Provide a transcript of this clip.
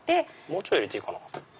もうちょい入れていいかな。